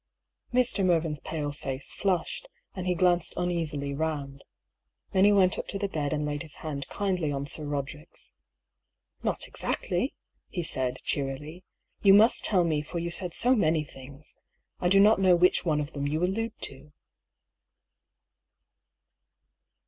Mr. Mervyn's pale face flushed, and he glanced un easily round. Then he went up to the bed and laid his hand kindly on Sir Roderick's. " Not exactly," he said, cheerily. " You must tell me, for you said so many things. I do not know which one of them you allude to."